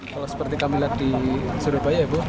kalau seperti kami lihat di surabaya